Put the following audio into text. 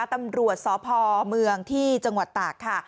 ตำรวจสพเมืองที่จังหวัดตากค่ะ